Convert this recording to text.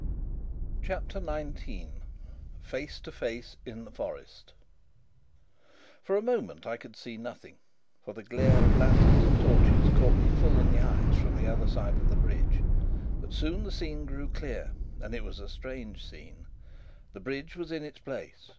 CHAPTER 19 Face to Face in the Forest For a moment I could see nothing, for the glare of lanterns and torches caught me full in the eyes from the other side of the bridge. But soon the scene grew clear: and it was a strange scene. The bridge was in its place.